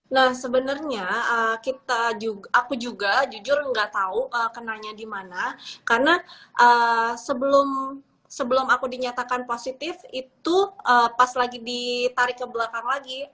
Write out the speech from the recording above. nah sebenernya kita juga aku juga jujur nggak tahu kenanya dimana karena sebelum aku dinyatakan positif itu pas lagi ditarik ke belakang lagi